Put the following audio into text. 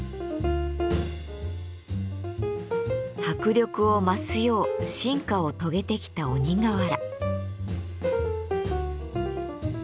迫力を増すよう進化を遂げてきた鬼瓦。